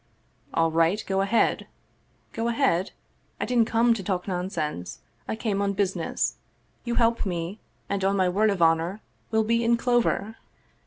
"All right, go ahead!" " Go ahead? I didn't come to talk nonsense, I came on business. You help me, and, on my word of honor, we'll be in clover!